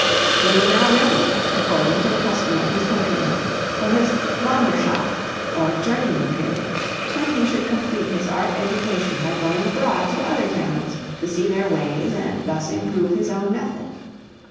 He was now ready, according to the custom of his countrymen, for his "wanderschaft" or journeyman period, when he should complete his art education by going abroad to other towns to see their ways and thus improve his own method.